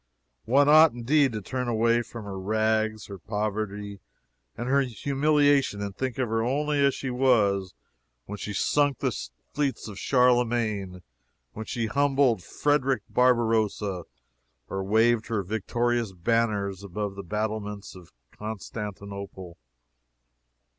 One ought, indeed, to turn away from her rags, her poverty and her humiliation, and think of her only as she was when she sunk the fleets of Charlemagne; when she humbled Frederick Barbarossa or waved her victorious banners above the battlements of Constantinople.